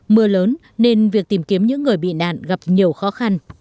mưa lớn nên việc tìm kiếm những người bị nạn gặp nhiều khó khăn